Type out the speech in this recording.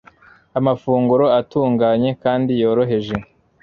amafunguro atunganye kandi yoroheje